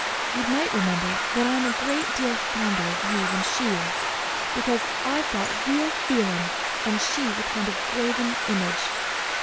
You might remember that I'm a great deal fonder of you than she is, because I've got real feeling and she's a kind of graven image.